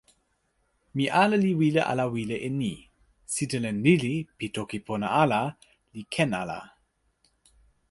mi ale li wile ala wile e ni: sitelen lili pi toki pona ala li ken ala?